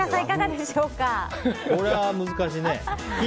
これは難しいね。